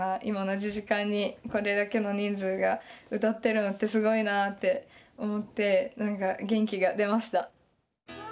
今同じ時間にこれだけの人数が歌ってるのってすごいなって思って何か元気が出ました。